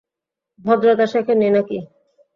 ভদ্রতা শেখেননি নাকি!